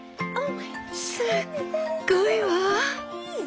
すっごいわ！